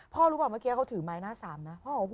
พ่อรู้หรือเปล่าเมื่อกี้เขาถือไม้หน้าสามนะ